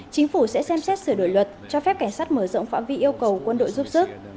chính phủ sẽ xem xét sửa đổi luật cho phép cảnh sát mở rộng phạm vi yêu cầu quân đội giúp sức